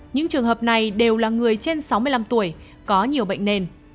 những trường hợp này đều là người trên sáu mươi năm tuổi có nhiều bệnh nền